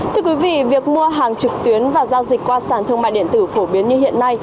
thưa quý vị việc mua hàng trực tuyến và giao dịch qua sản thương mại điện tử phổ biến như hiện nay